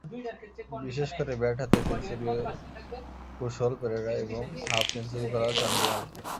বিশেষ করে ব্যাট হাতে সেঞ্চুরিয়ান কুশল পেরেরা এবং হাফ সেঞ্চুরি করা চান্ডিমালকে।